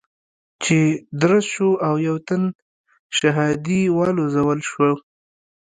چې درز شو او يو تن شهادي والوزول شو.